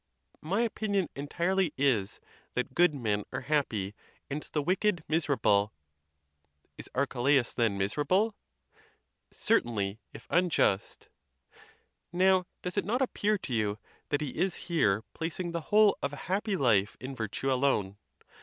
"My opinion entirely is, that good men are happy, and the wicked miserable." "Is Archelaus, then, miserable?" 'Certainly, if unjust." Now, does it not appear to you that he is here placing the whole of a hap py life in virtue alone?